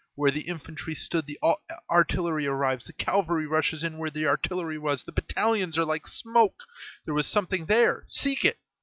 Where the infantry stood the artillery arrives, the cavalry rushes in where the artillery was, the battalions are like smoke. There was something there; seek it.